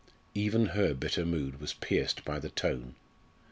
Even her bitter mood was pierced by the tone.